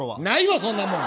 そんなもん！